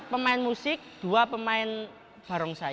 pemain musik dua pemain barongsai